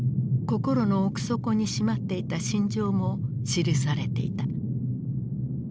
心の奥底にしまっていた心情も記されていた。